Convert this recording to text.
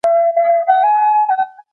تاسو د خپلو حقوقو په اړه پوهېږئ؟